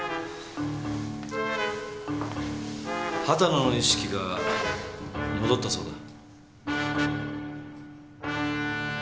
秦野の意識が戻ったそうだ。